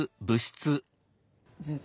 先生